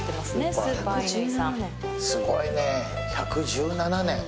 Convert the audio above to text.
すごいね１１７年。